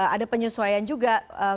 ada penyesuaian juga